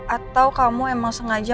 atau kamu emang sengaja